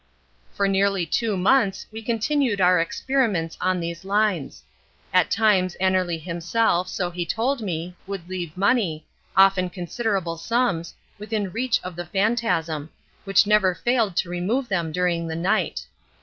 For nearly two months we continued our experiments on these lines. At times Annerly himself, so he told me, would leave money, often considerable sums, within reach of the phantasm, which never failed to remove them during the night.